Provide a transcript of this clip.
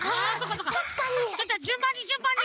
ちょっとじゅんばんにじゅんばんに！